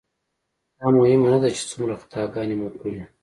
دا مهمه نه ده چې څومره خطاګانې مو کړي.